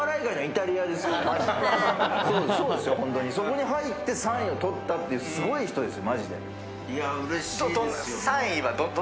そこに入って３位を取ったっていう、すごい人ですよ。